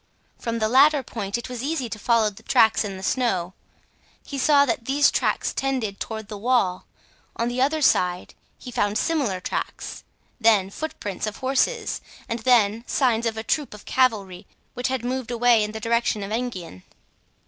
From the latter point it was easy to follow tracks on the snow. He saw that these tracks tended toward the wall; on the other side he found similar tracks, then footprints of horses and then signs of a troop of cavalry which had moved away in the direction of Enghien.